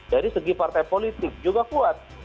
dari segi partai politik juga kuat